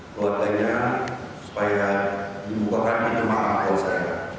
buat tanya supaya dibuka kan itu mah kalau saya